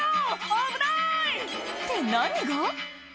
危ない！」って何が？